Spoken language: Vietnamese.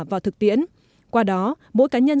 vào thực tiễn qua đó mỗi cá nhân